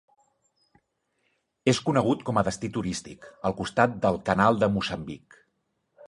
És conegut com a destí turístic, al costat del Canal de Moçambic.